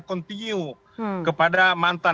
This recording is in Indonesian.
kontinu kepada mantan